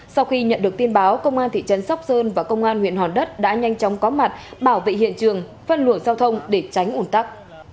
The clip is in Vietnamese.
sau khi nhận được tin báo công an thị trấn sóc sơn và công an huyện hòn đất đã nhanh chóng có mặt bảo vệ hiện trường phân luồng giao thông để tránh ủn tắc